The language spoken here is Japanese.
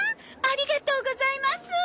ありがとうございます！